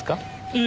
ええ。